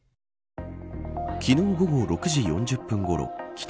昨日午後６時４０分ごろ帰宅